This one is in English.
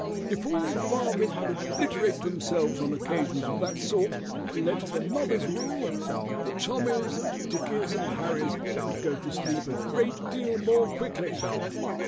"If all fathers would obliterate themselves on occasions of that sort, and let the mothers rule, the Tommys and Dickies and Harrys would go to sleep a great deal more quickly."